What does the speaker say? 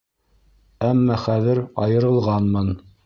Әммә хәҙер айырылғанмын.